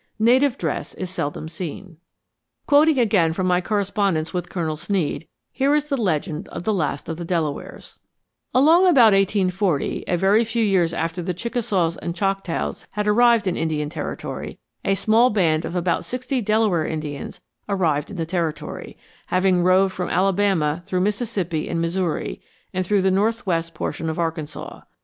Native dress is seldom seen. Quoting again from my correspondence with Colonel Sneed, here is the legend of the last of the Delawares: "Along about 1840, a very few years after the Chickasaws and Choctaws had arrived in Indian Territory, a small band of about sixty Delaware Indians arrived in the Territory, having roved from Alabama through Mississippi and Missouri, and through the northwest portion of Arkansas.